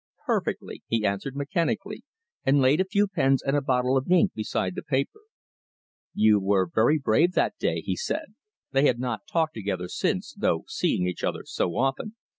"Perfectly," he answered mechanically, and laid a few pens and a bottle of ink beside the paper. "You were very brave that day," he said they had not talked together since, though seeing each other so often.